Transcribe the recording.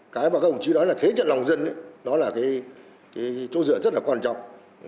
cái mà các ông chí nói là thế trận lòng dân đó là cái chỗ dựa rất là quan trọng